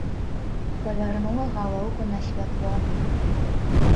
Павярнула галоўку на святло.